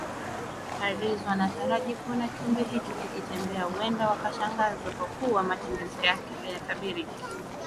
Paris wanataraji kuona kiumbe hicho kikitembea huenda wakashangazwa kwa kuwa matembezi yake hayatabiriki